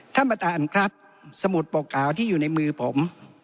ท่านประธานครับสมุดปกขาวที่อยู่ในมือผม